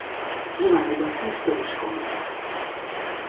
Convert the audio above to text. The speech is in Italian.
Giovanni Battista Visconti